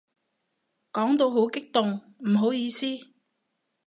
講到好激動，唔好意思